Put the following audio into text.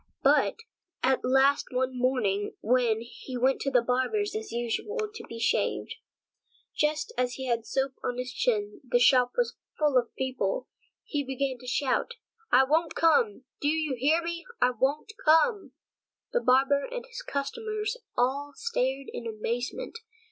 But at last one morning, when he went to his barber's as usual to be shaved, just as he had the soap on his chin, and the shop was full of people, he began to shout: "I won't come, do you hear, I won't come!" The barber and his customers all stared in amazement.